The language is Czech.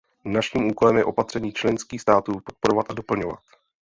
Naším úkolem je opatření členských států podporovat a doplňovat.